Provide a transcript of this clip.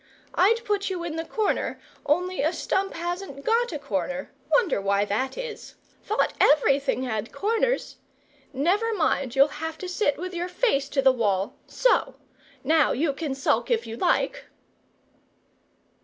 I'd put you in the corner, only a stump hasn't got a corner wonder why that is? Thought everything had corners. Never mind, you'll have to sit with your face to the wall SO. Now you can sulk if you like!"